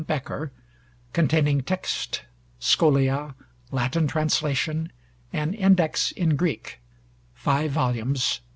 Bekker), containing text, scholia, Latin translation, and Index in Greek (5 vols.